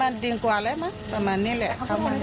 ในนอกไม่ได้เลย